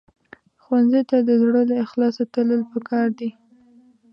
ښوونځی ته د زړه له اخلاصه تلل پکار دي